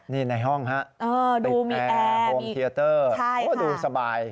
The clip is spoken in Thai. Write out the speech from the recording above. นี่ในห้องฮะดูแอร์โฮมเทียเตอร์ดูสบาย